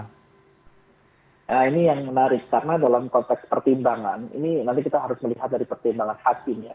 nah ini yang menarik karena dalam konteks pertimbangan ini nanti kita harus melihat dari pertimbangan hakim ya